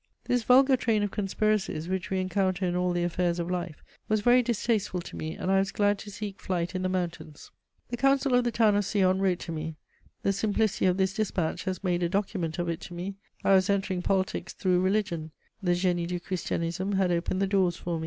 This vulgar train of conspiracies, which we encounter in all the affairs of life, was very distasteful to me, and I was glad to seek flight in the mountains. The council of the town of Sion wrote to me. The simplicity of this despatch has made a document of it to me; I was entering politics through religion: the Génie du Christianisme had opened the doors for me.